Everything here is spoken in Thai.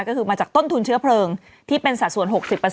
ก็คือมาจากต้นทุนเชื้อเพลิงที่เป็นสัดส่วน๖๐